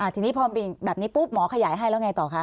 ทีนี้พอมีแบบนี้ปุ๊บหมอขยายให้แล้วไงต่อคะ